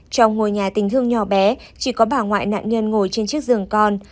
trong ngôi nhà tình thương nhỏ bé chỉ có bà ngoại nạn nhân ngồi trên chiếc giường con